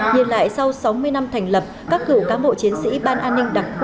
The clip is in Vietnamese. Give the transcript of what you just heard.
nhìn lại sau sáu mươi năm thành lập các cựu cán bộ chiến sĩ ban an ninh đặc khu